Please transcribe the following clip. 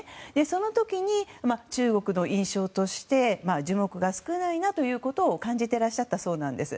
その時に、中国の印象として樹木が少ないなということを感じていらっしゃったそうなんです。